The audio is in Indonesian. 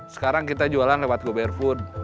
sekarang kita jualan lewat goberput